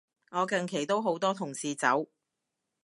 我近期都好多同事走